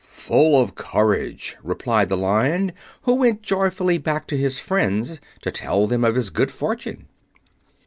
"Full of courage," replied the Lion, who went joyfully back to his friends to tell them of his good fortune.